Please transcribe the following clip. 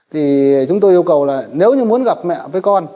thì chúng tôi yêu cầu là nếu như muốn gặp mẹ với con